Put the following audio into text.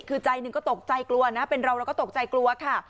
คือใจหนึ่งก็ตกใจกลัวนะเป็นเราเราก็ตกใจกลัวค่ะ